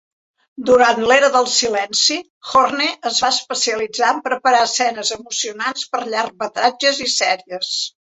Durant l'era del silenci, Horne es va especialitzar en preparar escenes emocionants per llargmetratges i sèries.